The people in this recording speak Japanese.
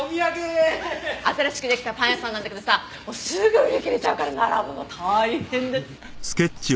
新しく出来たパン屋さんなんだけどさもうすぐ売り切れちゃうから並ぶの大変だっ。